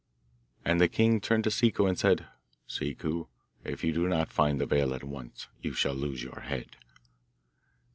And the king turned to Ciccu and said, 'Ciccu, if you do not find the veil at once, you shall lose your head.